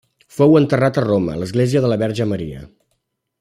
Fou enterrat a Roma a l'església de la Verge Maria.